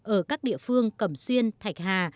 ở các địa phương cẩm xuyên thạch hà